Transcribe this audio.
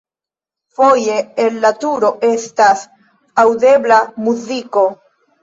Foje el la turo estas aŭdebla muziko.